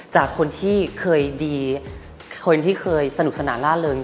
จากคนที่เคยดีคนที่เคยสนุกสนานล่าเริง